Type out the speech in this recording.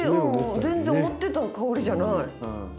全然思ってた香りじゃない。